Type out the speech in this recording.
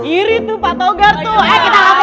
iri tuh pak togar tuh